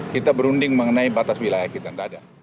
kita berunding mengenai batas wilayah kita tidak ada